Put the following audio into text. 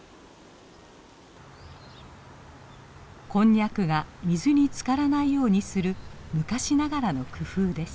こんにゃくが水につからないようにする昔ながらの工夫です。